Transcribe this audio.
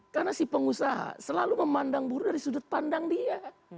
karena si pengusaha selalu memandang buruh dari sudut pandang dia